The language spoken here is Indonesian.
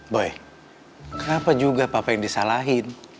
boy kenapa juga papa yang disalahin